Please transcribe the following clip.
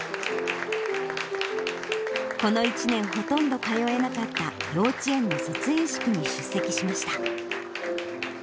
この１年、ほとんど通えなかった幼稚園の卒園式に出席しました。